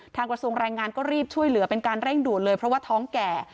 กระทรวงแรงงานก็รีบช่วยเหลือเป็นการเร่งด่วนเลยเพราะว่าท้องแก่